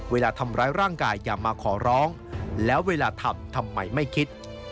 เวลาทำร้ายร่างกายอย่ามาขอร้องแล้วเวลาทำทำไมไม่คิด